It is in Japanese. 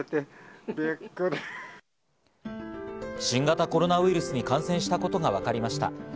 新型コロナウイルスに感染したことがわかりました。